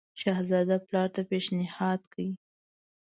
شهزاده پلار ته پېشنهاد کړی.